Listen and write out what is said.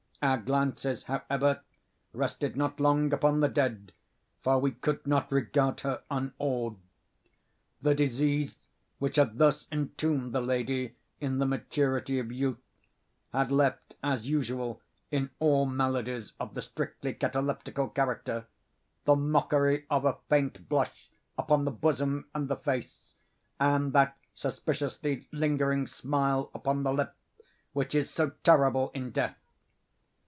Our glances, however, rested not long upon the dead—for we could not regard her unawed. The disease which had thus entombed the lady in the maturity of youth, had left, as usual in all maladies of a strictly cataleptical character, the mockery of a faint blush upon the bosom and the face, and that suspiciously lingering smile upon the lip which is so terrible in death.